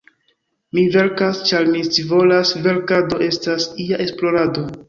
Mi verkas, ĉar mi scivolas; verkado estas ia esplorado.